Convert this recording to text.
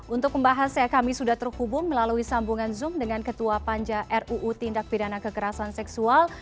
untuk pembahasnya kami sudah terhubung melalui sambungan zoom dengan ketua panja ruu tindak pidana kekerasan seksual